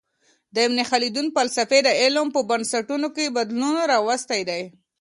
د ابن خلدون فلسفې د علم په بنسټونو کي بدلون راوستی دی.